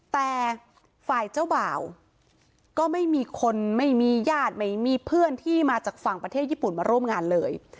แต่ฝ่ายเจ้าบ่าวก็ไม่มีคนไม่มีญาติไม่มีเพื่อนที่มาจากฝั่งประเทศญี่ปุ่นมาร่วมงานเลย